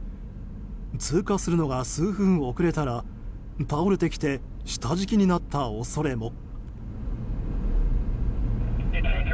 通過するのが数分遅れたら倒れてきて下敷きになった恐れも。